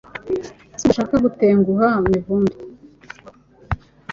Nzi ko udashaka gutenguha Mivumbi